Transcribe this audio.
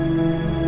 ini udah berakhir